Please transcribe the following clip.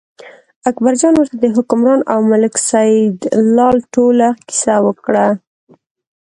اکبرجان ورته د حکمران او ملک سیدلال ټوله کیسه وکړه.